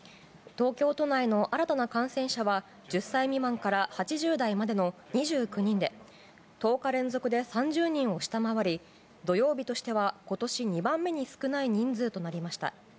東京都内の新たな感染者は１０歳未満から８０代までの２９人で１０日連続で３０人を下回り土曜日としては今年２番目に少ない人数となりました。